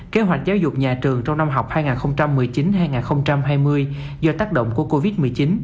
kế hoạch giáo dục nhà trường trong năm học hai nghìn một mươi chín hai nghìn hai mươi do tác động của covid một mươi chín